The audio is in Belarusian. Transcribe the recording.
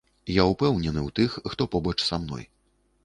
Я ўпэўнены ў тых, хто побач са мной.